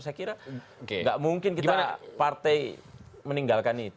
saya kira nggak mungkin kita partai meninggalkan itu